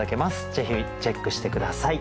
ぜひチェックして下さい。